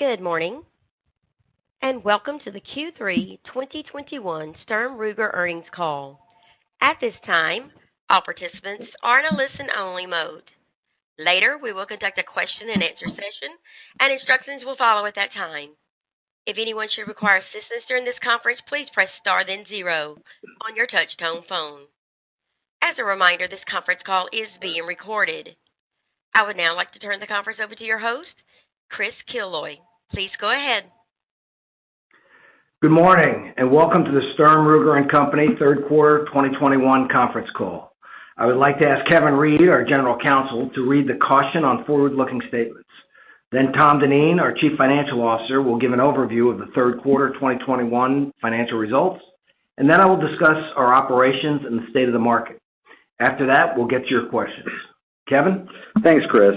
Good morning, and welcome to the Q3 2021 Sturm, Ruger Earnings call. At this time, all participants are in a listen only mode. Later, we will conduct a question-and-answer session, and instructions will follow at that time. If anyone should require assistance during this conference, please press star then zero on your touchtone phone. As a reminder, this conference call is being recorded. I would now like to turn the conference over to your host, Chris Killoy. Please go ahead. Good morning, and welcome to the Sturm, Ruger & Company Third Quarter 2021 Conference Call. I would like to ask Kevin Reid, our General Counsel, to read the caution on forward-looking statements. Tom Dineen, our Chief Financial Officer, will give an overview of the Third Quarter 2021 Financial Results, and then I will discuss our operations and the state of the market. After that, we'll get to your questions. Kevin. Thanks, Chris.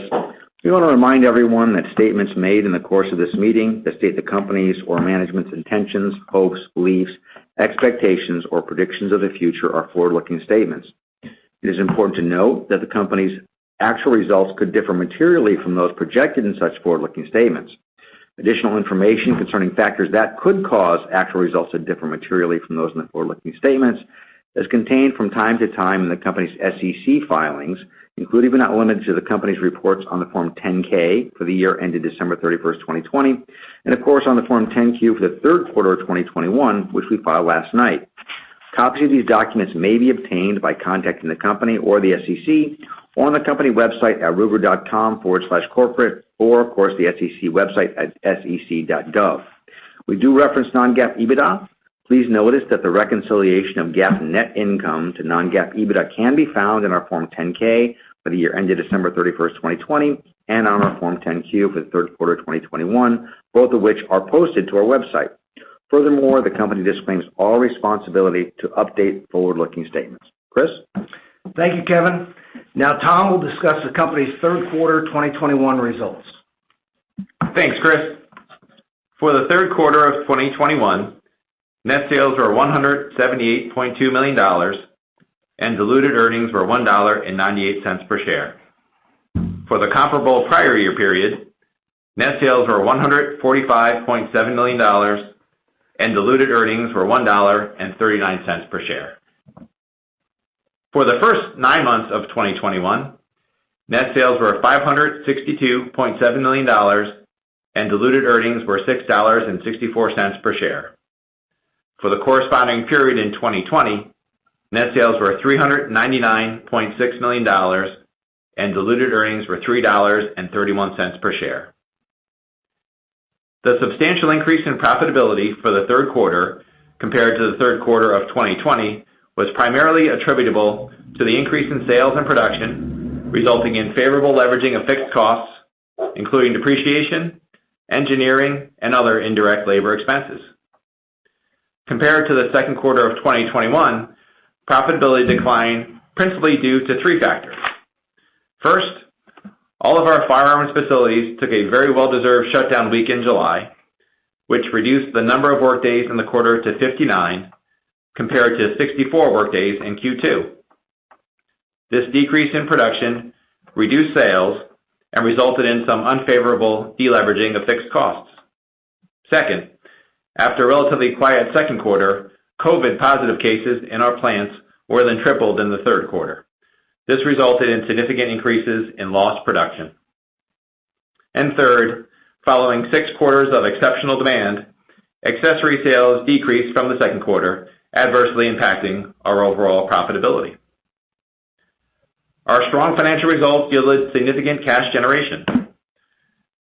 We want to remind everyone that statements made in the course of this meeting that state the company's or management's intentions, hopes, beliefs, expectations, or predictions of the future are forward-looking statements. It is important to note that the company's actual results could differ materially from those projected in such forward-looking statements. Additional information concerning factors that could cause actual results to differ materially from those in the forward-looking statements is contained from time to time in the company's SEC filings, including but not limited to the company's reports on the Form 10-K for the year ended December 31st, 2020, and of course, on the Form 10-Q for the third quarter of 2021, which we filed last night. Copies of these documents may be obtained by contacting the company or the SEC on the company website at ruger.com/corporate, or of course, the SEC website at sec.gov. We do reference non-GAAP EBITDA. Please notice that the reconciliation of GAAP net income to non-GAAP EBITDA can be found in our Form 10-K for the year ended December 31st, 2020, and on our Form 10-Q for the third quarter of 2021, both of which are posted to our website. Furthermore, the company disclaims all responsibility to update forward-looking statements. Chris. Thank you, Kevin. Now Tom will discuss the company's third quarter 2021 results. Thanks, Chris. For the third quarter of 2021, net sales were $178.2 million and diluted earnings were $1.98 per share. For the comparable prior year period, net sales were $145.7 million and diluted earnings were $1.39 per share. For the first nine months of 2021, net sales were $562.7 million and diluted earnings were $6.64 per share. For the corresponding period in 2020, net sales were $399.6 million and diluted earnings were $3.31 per share. The substantial increase in profitability for the third quarter compared to the third quarter of 2020 was primarily attributable to the increase in sales and production, resulting in favorable leveraging of fixed costs, including depreciation, engineering, and other indirect labor expenses. Compared to the second quarter of 2021, profitability declined principally due to three factors. First, all of our firearms facilities took a very well-deserved shutdown week in July, which reduced the number of workdays in the quarter to 59 compared to 64 workdays in Q2. This decrease in production reduced sales and resulted in some unfavorable deleveraging of fixed costs. Second, after a relatively quiet second quarter, COVID positive cases in our plants more than tripled in the third quarter. This resulted in significant increases in lost production. Third, following six quarters of exceptional demand, accessory sales decreased from the second quarter, adversely impacting our overall profitability. Our strong financial results yielded significant cash generation.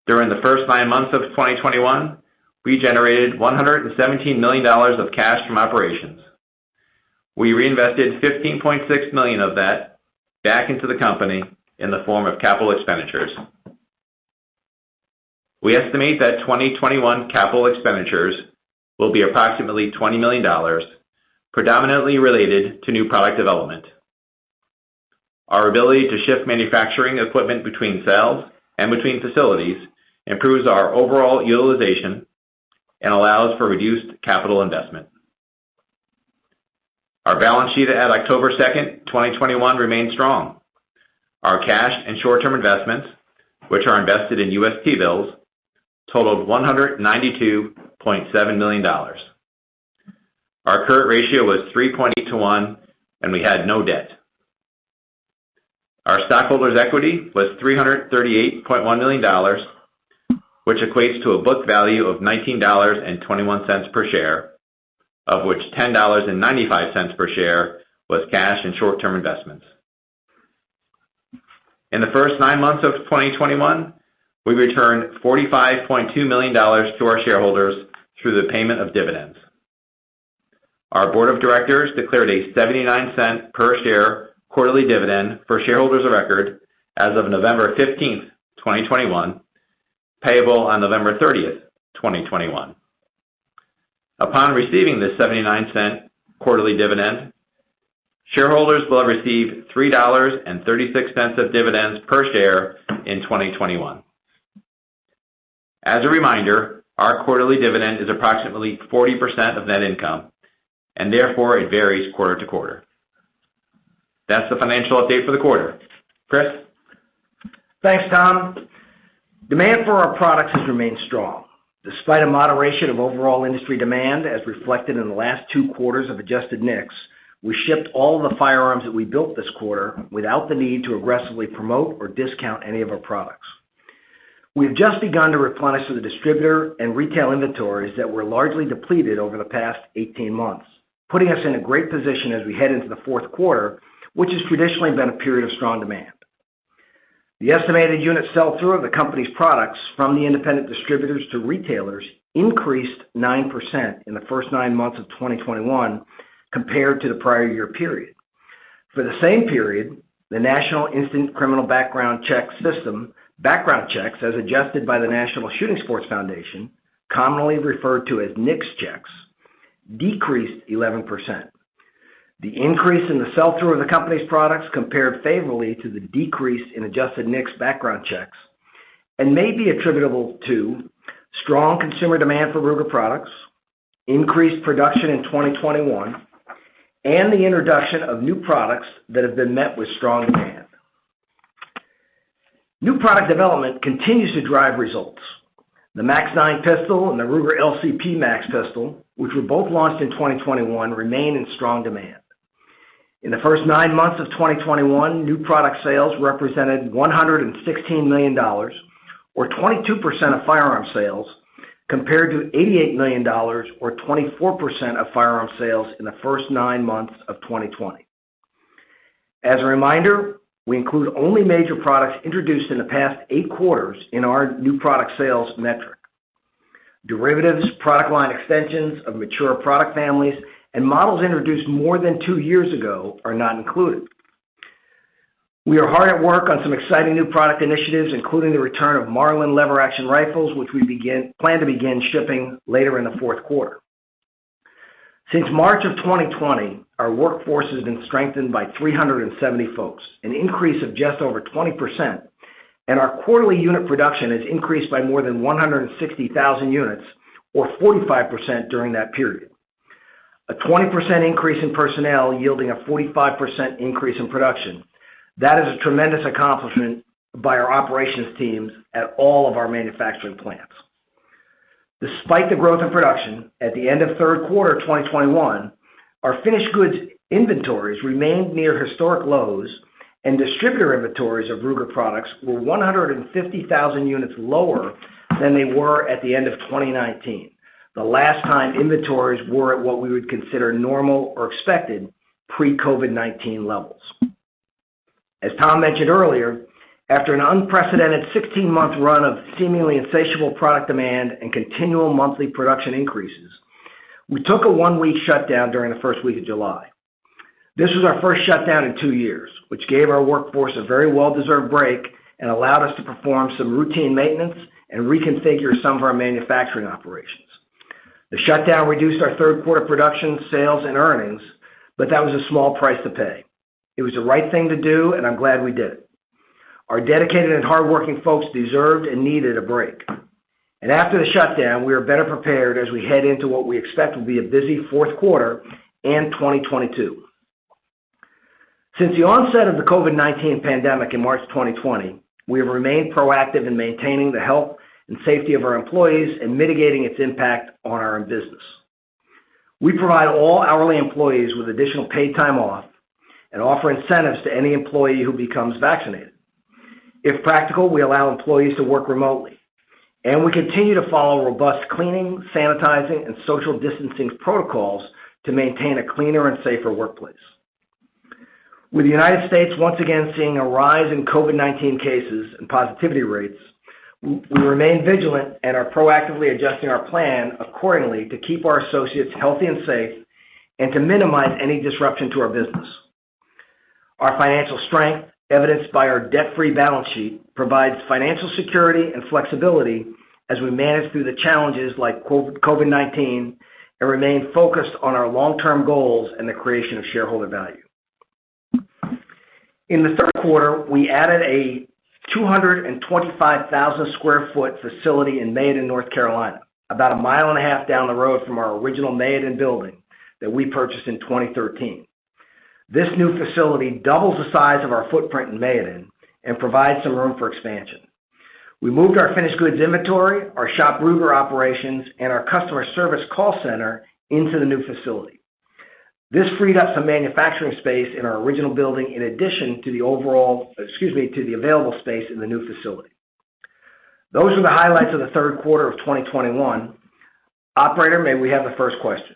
During the first nine months of 2021, we generated $117 million of cash from operations. We reinvested $15.6 million of that back into the company in the form of capital expenditures. We estimate that 2021 capital expenditures will be approximately $20 million, predominantly related to new product development. Our ability to shift manufacturing equipment between cells and between facilities improves our overall utilization and allows for reduced capital investment. Our balance sheet at October 2nd, 2021 remained strong. Our cash and short-term investments, which are invested in U.S. T-bills, totaled $192.7 million. Our current ratio was 3.8 to 1, and we had no debt. Our stockholders' equity was $338.1 million, which equates to a book value of $19.21 per share, of which $10.95 per share was cash and short-term investments. In the first nine months of 2021, we returned $45.2 million to our shareholders through the payment of dividends. Our Board of Directors declared a $0.79 per share quarterly dividend for shareholders of record as of November 15th, 2021, payable on November 30th, 2021. Upon receiving this $0.79 quarterly dividend, shareholders will have received $3.36 of dividends per share in 2021. As a reminder, our quarterly dividend is approximately 40% of net income, and therefore it varies quarter to quarter. That's the financial update for the quarter. Chris? Thanks, Tom. Demand for our products has remained strong. Despite a moderation of overall industry demand, as reflected in the last two quarters of adjusted NICS, we shipped all the firearms that we built this quarter without the need to aggressively promote or discount any of our products. We have just begun to replenish the distributor and retail inventories that were largely depleted over the past 18 months, putting us in a great position as we head into the fourth quarter, which has traditionally been a period of strong demand. The estimated unit sell-through of the company's products from the independent distributors to retailers increased 9% in the first nine months of 2021 compared to the prior year period. For the same period, the National Instant Criminal Background Check System, background checks, as adjusted by the National Shooting Sports Foundation, commonly referred to as NICS checks, decreased 11%. The increase in the sell-through of the company's products compared favorably to the decrease in adjusted NICS background checks and may be attributable to strong consumer demand for Ruger products, increased production in 2021, and the introduction of new products that have been met with strong demand. New product development continues to drive results. The MAX-9 pistol and the Ruger LCP MAX pistol, which were both launched in 2021, remain in strong demand. In the first nine months of 2021, new product sales represented $116 million or 22% of firearm sales, compared to $88 million or 24% of firearm sales in the first nine months of 2020. As a reminder, we include only major products introduced in the past eight quarters in our new product sales metric. Derivatives, product line extensions of mature product families, and models introduced more than two years ago are not included. We are hard at work on some exciting new product initiatives, including the return of Marlin lever-action rifles, which we plan to begin shipping later in the fourth quarter. Since March 2020, our workforce has been strengthened by 370 folks, an increase of just over 20%, and our quarterly unit production has increased by more than 160,000 units or 45% during that period. A 20% increase in personnel yielding a 45% increase in production. That is a tremendous accomplishment by our operations teams at all of our manufacturing plants. Despite the growth in production, at the end of third quarter 2021, our finished goods inventories remained near historic lows and distributor inventories of Ruger products were 150,000 units lower than they were at the end of 2019, the last time inventories were at what we would consider normal or expected pre-COVID-19 levels. As Tom mentioned earlier, after an unprecedented 16-month run of seemingly insatiable product demand and continual monthly production increases, we took a one-week shutdown during the first week of July. This was our first shutdown in two years, which gave our workforce a very well-deserved break and allowed us to perform some routine maintenance and reconfigure some of our manufacturing operations. The shutdown reduced our third quarter production, sales, and earnings, but that was a small price to pay. It was the right thing to do, and I'm glad we did it. Our dedicated and hardworking folks deserved and needed a break. After the shutdown, we are better prepared as we head into what we expect will be a busy fourth quarter and 2022. Since the onset of the COVID-19 pandemic in March 2020, we have remained proactive in maintaining the health and safety of our employees and mitigating its impact on our own business. We provide all hourly employees with additional paid time off and offer incentives to any employee who becomes vaccinated. If practical, we allow employees to work remotely, and we continue to follow robust cleaning, sanitizing, and social distancing protocols to maintain a cleaner and safer workplace. With the United States once again seeing a rise in COVID-19 cases and positivity rates, we remain vigilant and are proactively adjusting our plan accordingly to keep our associates healthy and safe and to minimize any disruption to our business. Our financial strength, evidenced by our debt-free balance sheet, provides financial security and flexibility as we manage through the challenges like COVID-19 and remain focused on our long-term goals and the creation of shareholder value. In the third quarter, we added a 225,000 sq ft facility in Mayodan, North Carolina, about a mile and a half down the road from our original Mayodan building that we purchased in 2013. This new facility doubles the size of our footprint in Mayodan and provides some room for expansion. We moved our finished goods inventory, our ShopRuger operations, and our customer service call center into the new facility. This freed up some manufacturing space in our original building, in addition to the overall, excuse me, to the available space in the new facility. Those are the highlights of the third quarter of 2021. Operator, may we have the first question?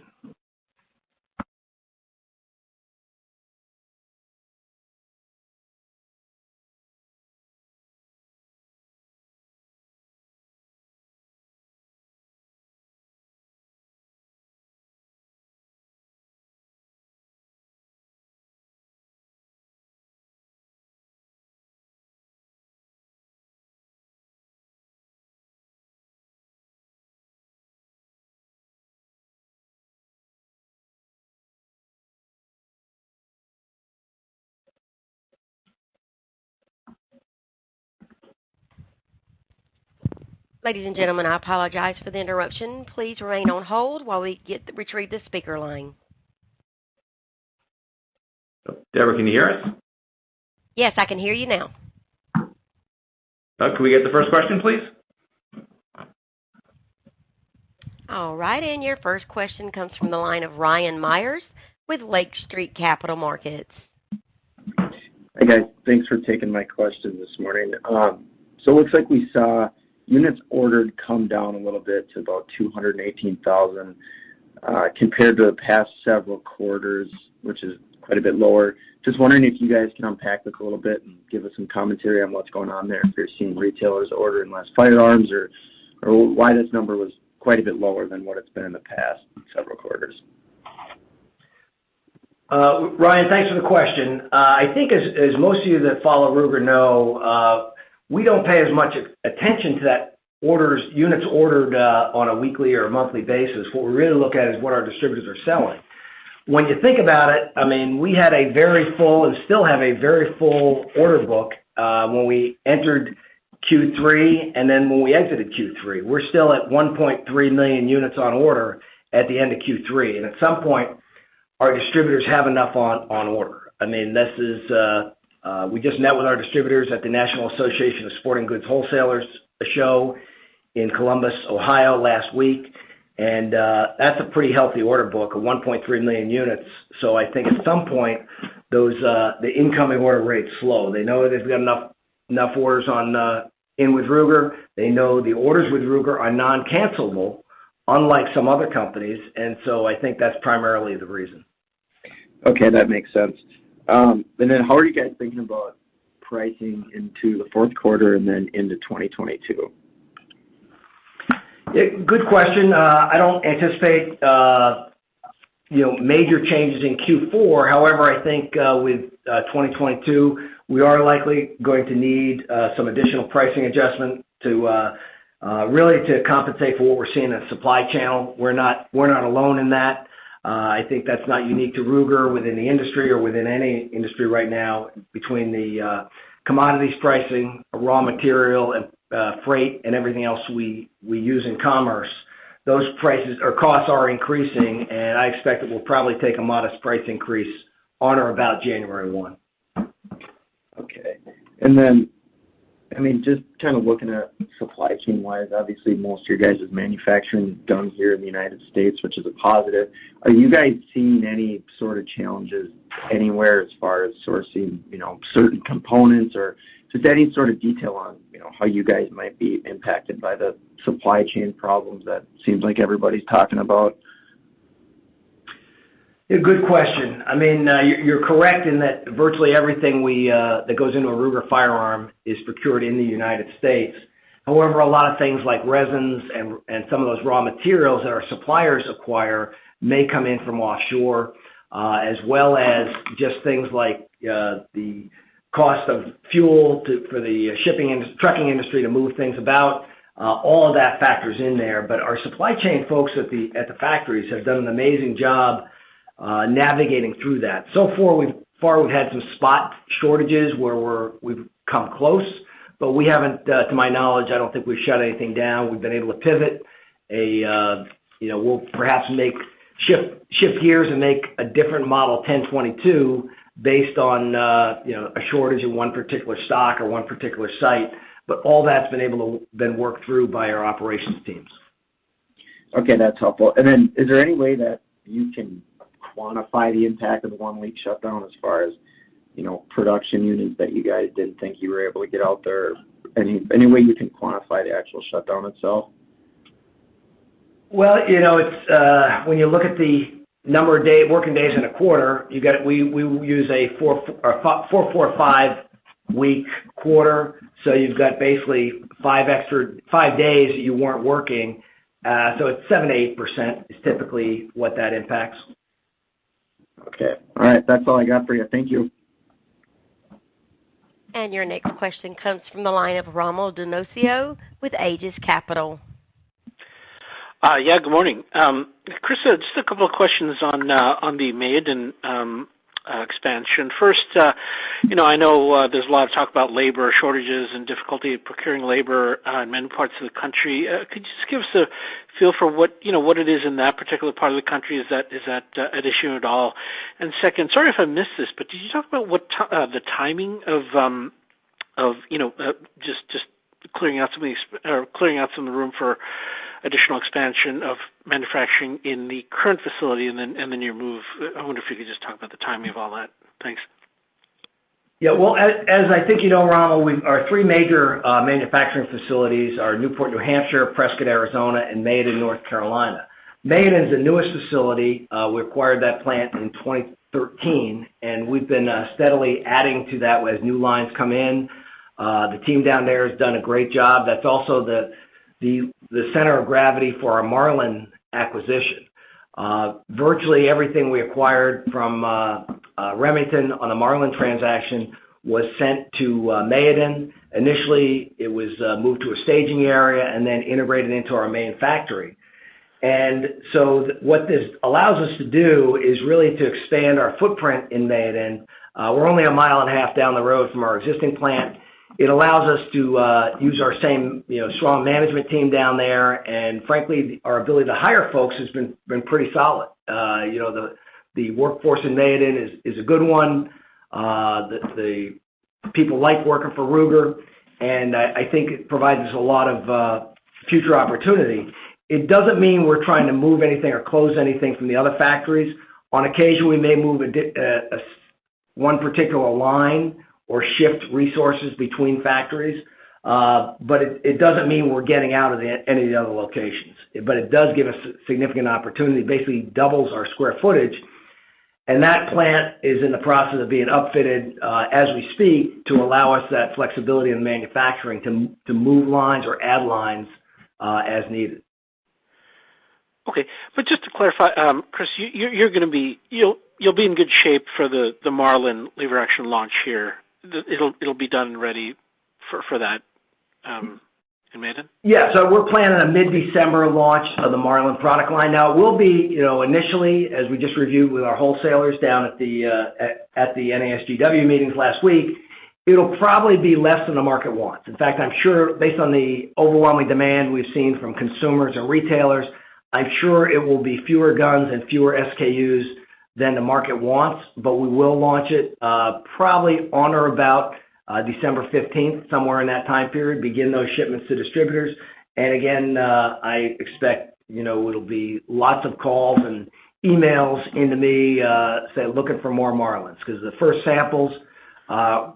Ladies and gentlemen, I apologize for the interruption. Please remain on hold while we retrieve the speaker line. Deborah, can you hear us? Yes, I can hear you now. Can we get the first question, please? All right, your first question comes from the line of Ryan Meyers with Lake Street Capital Markets. Hey, guys. Thanks for taking my question this morning. So it looks like we saw units ordered come down a little bit to about 218,000 compared to the past several quarters, which is quite a bit lower. Just wondering if you guys can unpack this a little bit and give us some commentary on what's going on there. If you're seeing retailers ordering less firearms or why this number was quite a bit lower than what it's been in the past several quarters. Ryan, thanks for the question. I think as most of you that follow Ruger know, we don't pay as much attention to units ordered on a weekly or monthly basis. What we really look at is what our distributors are selling. When you think about it, I mean, we had a very full, and still have a very full order book when we entered Q3 and then when we exited Q3. We're still at 1.3 million units on order at the end of Q3. At some point, our distributors have enough on order. I mean, this is, we just met with our distributors at the National Association of Sporting Goods Wholesalers the show in Columbus, Ohio, last week, and that's a pretty healthy order book of 1.3 million units. I think at some point, those, the incoming order rates slow. They know they've got enough orders on, in with Ruger. They know the orders with Ruger are non-cancelable, unlike some other companies. I think that's primarily the reason. Okay, that makes sense. How are you guys thinking about pricing into the fourth quarter and then into 2022? Yeah, good question. I don't anticipate you know, major changes in Q4. However, I think with 2022, we are likely going to need some additional pricing adjustment to really compensate for what we're seeing in the supply channel. We're not alone in that. I think that's not unique to Ruger within the industry or within any industry right now between the commodities pricing, raw material and freight and everything else we use in commerce. Those prices or costs are increasing, and I expect it will probably take a modest price increase on or about January 1. Okay. I mean, just kind of looking at supply chain-wise, obviously, most of your guys' manufacturing is done here in the United States, which is a positive. Are you guys seeing any sort of challenges anywhere as far as sourcing, you know, certain components? Or just any sort of detail on, you know, how you guys might be impacted by the supply chain problems that seems like everybody's talking about? Yeah, good question. I mean, you're correct in that virtually everything that goes into a Ruger firearm is procured in the United States. However, a lot of things like resins and some of those raw materials that our suppliers acquire may come in from offshore, as well as just things like the cost of fuel for the trucking industry to move things about. All of that factors in there. Our supply chain folks at the factories have done an amazing job navigating through that. So far, we've had some spot shortages where we've come close, but we haven't, to my knowledge. I don't think we've shut anything down. We've been able to pivot. You know, we'll perhaps shift gears and make a different model 10/22 based on, you know, a shortage in one particular stock or one particular site. All that's been able to be worked through by our operations teams. Okay, that's helpful. Is there any way that you can quantify the impact of the one-week shutdown as far as, you know, production units that you guys didn't think you were able to get out there? Any way you can quantify the actual shutdown itself? Well, you know, it's when you look at the number of working days in a quarter, we use a four-four-five-week quarter. You've got basically five extra days that you weren't working. It's 7%-8% is typically what that impacts. Okay. All right. That's all I got for you. Thank you. Your next question comes from the line of Rommel Dionisio with Aegis Capital. Yeah, good morning. Chris, just a couple of questions on the Mayodan expansion. First, you know, I know, there's a lot of talk about labor shortages and difficulty procuring labor in many parts of the country. Could you just give us a feel for what, you know, what it is in that particular part of the country? Is that an issue at all? Second, sorry if I missed this, but did you talk about the timing of, you know, just clearing out some of these or clearing out some room for additional expansion of manufacturing in the current facility and then you move? I wonder if you could just talk about the timing of all that. Thanks. As I think you know, Rommel, our three major manufacturing facilities are Newport, New Hampshire, Prescott, Arizona, and Mayodan, North Carolina. Mayodan is the newest facility. We acquired that plant in 2013, and we've been steadily adding to that as new lines come in. The team down there has done a great job. That's also the center of gravity for our Marlin acquisition. Virtually everything we acquired from Remington on the Marlin transaction was sent to Mayodan. Initially, it was moved to a staging area and then integrated into our main factory. What this allows us to do is really to expand our footprint in Mayodan. We're only a mile and a half down the road from our existing plant. It allows us to use our same, you know, strong management team down there. Frankly, our ability to hire folks has been pretty solid. You know, the workforce in Mayodan is a good one. The people like working for Ruger, and I think it provides us a lot of future opportunity. It doesn't mean we're trying to move anything or close anything from the other factories. On occasion, we may move one particular line or shift resources between factories. It doesn't mean we're getting out of any of the other locations. It does give us significant opportunity, basically doubles our square footage. That plant is in the process of being upfitted as we speak to allow us that flexibility in manufacturing to move lines or add lines as needed. Okay. Just to clarify, Chris, you'll be in good shape for the Marlin lever action launch here. It'll be done and ready for that in Mayodan? Yeah. We're planning a mid-December launch of the Marlin product line. Now we'll be, you know, initially, as we just reviewed with our wholesalers down at the NASGW meetings last week, it'll probably be less than the market wants. In fact, I'm sure based on the overwhelming demand we've seen from consumers and retailers, I'm sure it will be fewer guns and fewer SKUs than the market wants. We will launch it, probably on or about December 15th, somewhere in that time period, begin those shipments to distributors. I expect, you know, it'll be lots of calls and emails into me, saying, looking for more Marlins, because the first samples,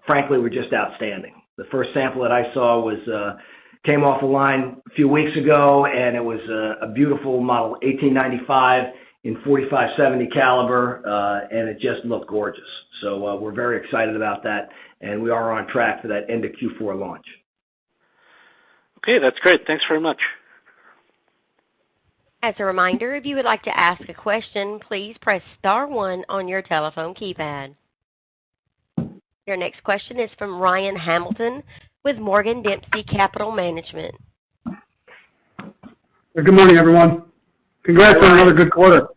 frankly, were just outstanding. The first sample that I saw came off the line a few weeks ago, and it was a beautiful Model 1895 in 45-70 caliber, and it just looked gorgeous. We're very excited about that, and we are on track for that end of Q4 launch. Okay, that's great. Thanks very much. As a reminder, if you would like to ask a question, please press star one on your telephone keypad. Your next question is from Ryan Hamilton with Morgan Dempsey Capital Management. Good morning, everyone. Congrats on another good quarter.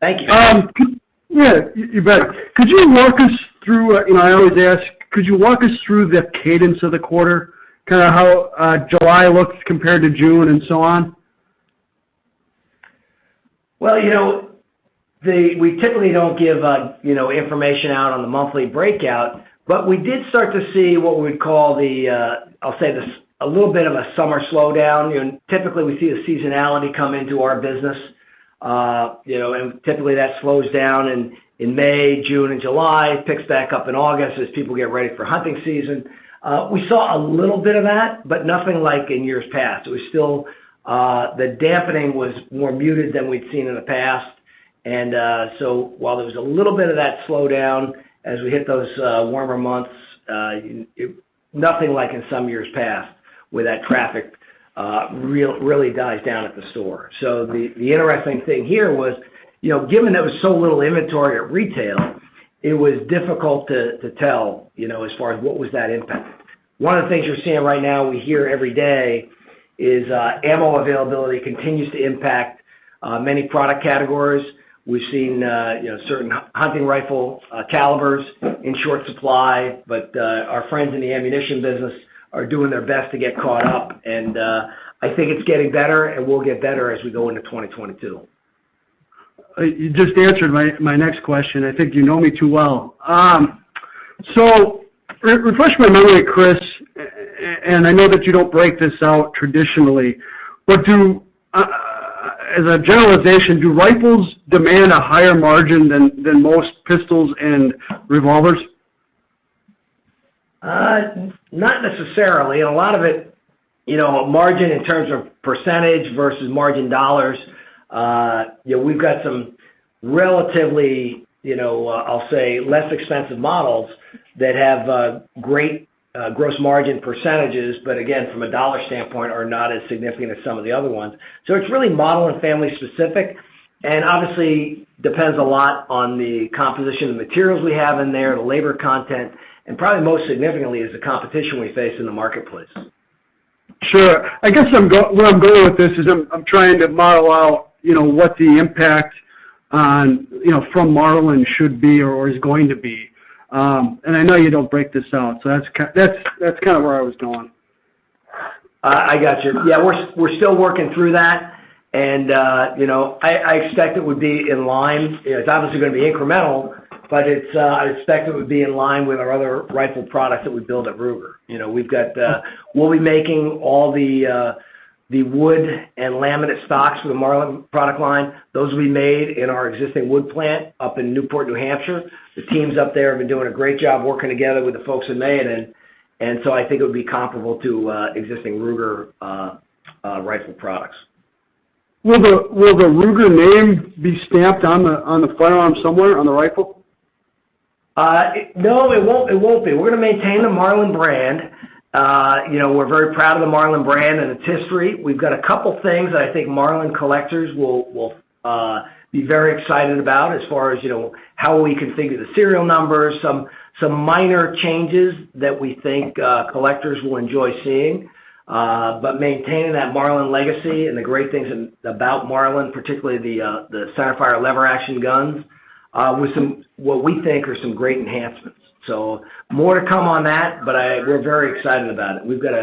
Thank you. Yeah, you bet. You know, I always ask, could you walk us through the cadence of the quarter, kind of how July looked compared to June and so on? Well, you know, we typically don't give, you know, information out on the monthly breakout, but we did start to see what we call the, I'll say this, a little bit of a summer slowdown. You know, typically, we see the seasonality come into our business. You know, typically, that slows down in May, June and July, picks back up in August as people get ready for hunting season. We saw a little bit of that, but nothing like in years past. It was still. The dampening was more muted than we'd seen in the past. So while there was a little bit of that slowdown as we hit those warmer months, nothing like in some years past where that traffic really dies down at the store. The interesting thing here was, you know, given there was so little inventory at retail, it was difficult to tell, you know, as far as what was that impact. One of the things you're seeing right now, we hear every day is ammo availability continues to impact many product categories. We've seen, you know, certain hunting rifle calibers in short supply, but our friends in the ammunition business are doing their best to get caught up. I think it's getting better, and we'll get better as we go into 2022. You just answered my next question. I think you know me too well. So refresh my memory, Chris, and I know that you don't break this out traditionally, but do, as a generalization, do rifles demand a higher margin than most pistols and revolvers? Not necessarily. A lot of it, you know, margin in terms of percentage versus margin dollars, you know, we've got some relatively, you know, I'll say less expensive models that have great gross margin percentages, but again, from a dollar standpoint, are not as significant as some of the other ones. It's really model and family specific, and obviously depends a lot on the composition of materials we have in there, the labor content, and probably most significantly is the competition we face in the marketplace. Sure. I guess where I'm going with this is I'm trying to model out, you know, what the impact on, you know, from Marlin should be or is going to be. I know you don't break this out, so that's kind of where I was going. I got you. Yeah, we're still working through that. You know, I expect it would be in line. It's obviously gonna be incremental, but I expect it would be in line with our other rifle products that we build at Ruger. You know, we've got, we'll be making all the wood and laminate stocks for the Marlin product line. Those will be made in our existing wood plant up in Newport, New Hampshire. The teams up there have been doing a great job working together with the folks in Mayodan. I think it would be comparable to existing Ruger rifle products. Will the Ruger name be stamped on the firearm somewhere, on the rifle? No, it won't be. We're gonna maintain the Marlin brand. You know, we're very proud of the Marlin brand and its history. We've got a couple things that I think Marlin collectors will be very excited about as far as, you know, how we configure the serial numbers, some minor changes that we think collectors will enjoy seeing. Maintaining that Marlin legacy and the great things about Marlin, particularly the centerfire lever action guns with some, what we think are some great enhancements. More to come on that, but we're very excited about it. We've got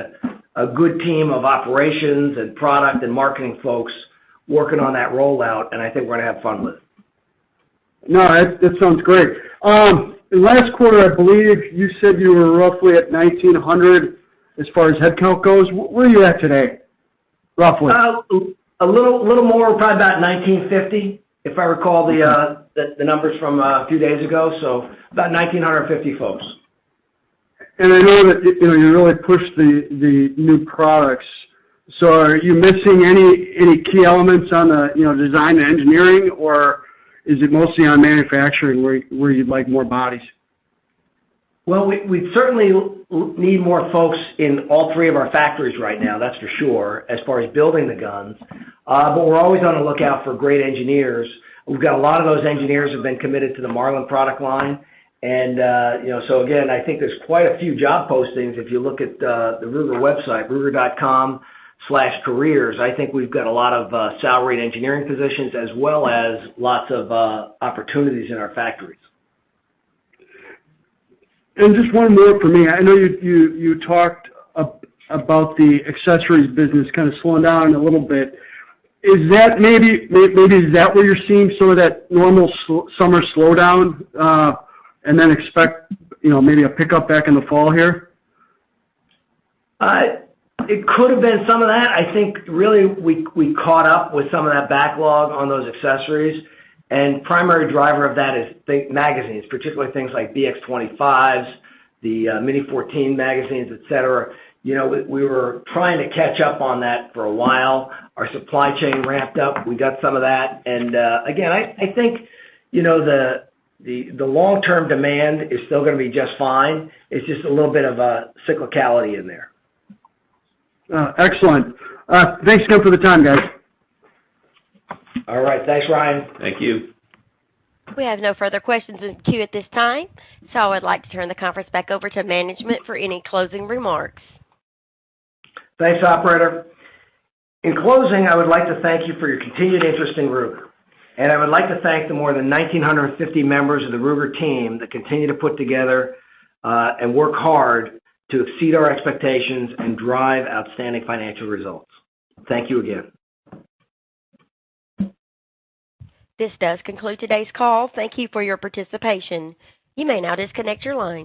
a good team of operations and product and marketing folks working on that rollout, and I think we're gonna have fun with it. No, that sounds great. Last quarter, I believe you said you were roughly at 1900 as far as headcount goes. Where are you at today, roughly? About a little more, probably about 1,950, if I recall the numbers from a few days ago, so about 1,950 folks. I know that, you know, you really pushed the new products. Are you missing any key elements on the, you know, design and engineering, or is it mostly on manufacturing where you'd like more bodies? Well, we certainly need more folks in all three of our factories right now, that's for sure, as far as building the guns. But we're always on the lookout for great engineers. We've got a lot of those engineers who've been committed to the Marlin product line. You know, so again, I think there's quite a few job postings if you look at the Ruger website, ruger.com/careers. I think we've got a lot of salaried and engineering positions, as well as lots of opportunities in our factories. Just one more from me. I know you talked about the accessories business kinda slowing down a little bit. Is that maybe where you're seeing some of that normal summer slowdown, and then, you know, maybe a pickup back in the fall here? It could have been some of that. I think really we caught up with some of that backlog on those accessories, and primary driver of that is, I think, magazines, particularly things like BX-25, the Mini-14 magazines, et cetera. You know, we were trying to catch up on that for a while. Our supply chain ramped up. We got some of that. Again, I think, you know, the long-term demand is still gonna be just fine. It's just a little bit of a cyclicality in there. Excellent. Thanks again for the time, guys. All right. Thanks, Ryan. Thank you. We have no further questions in queue at this time, so I'd like to turn the conference back over to management for any closing remarks. Thanks, operator. In closing, I would like to thank you for your continued interest in Ruger, and I would like to thank the more than 1,950 members of the Ruger team that continue to put together and work hard to exceed our expectations and drive outstanding financial results. Thank you again. This does conclude today's call. Thank you for your participation. You may now disconnect your line.